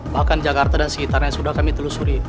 bahkan jakarta dan sekitarnya sudah kami telusuri